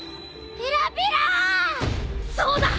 そうだ！